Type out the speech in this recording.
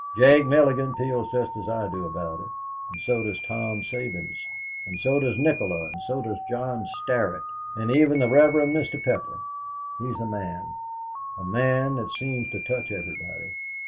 Jake Mulligan feels just as I do about it, and so does Tom Sabins, and so does Nikola and so does John Starrett, and even the Rev. Mr. Pepper. He's a man a man that seems to touch everybody.